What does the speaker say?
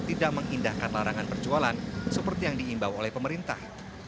tidak mengindahkan larangan berjualan seperti yang diimbau oleh pemerintah